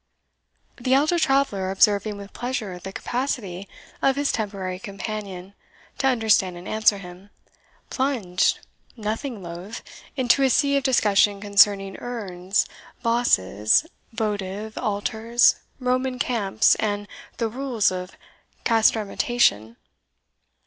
The elder traveller, observing with pleasure the capacity of his temporary companion to understand and answer him, plunged, nothing loath, into a sea of discussion concerning urns, vases, votive, altars, Roman camps, and the rules of castrametation.